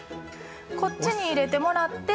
こっちに入れてもらって。